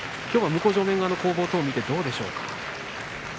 きょうは向正面側の攻防を見てどうでしたか？